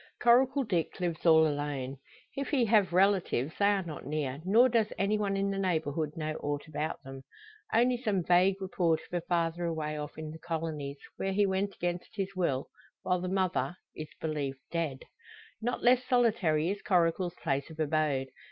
Coracle Dick lives all alone. If he have relatives they are not near, nor does any one in the neighbourhood know aught about them. Only some vague report of a father away off in the colonies, where he went against his will; while the mother is believed dead. Not less solitary is Coracle's place of abode.